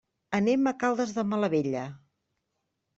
Anem a Caldes de Malavella.